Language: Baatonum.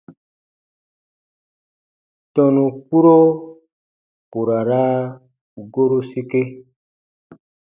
Tɔnu kpuro ku ra raa goru sike.